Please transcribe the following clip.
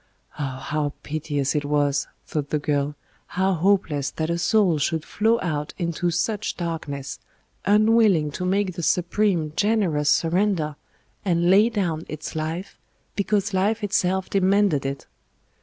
Ah! how piteous it was, thought the girl, how hopeless that a soul should flow out into such darkness, unwilling to make the supreme, generous surrender, and lay down its life because life itself demanded it!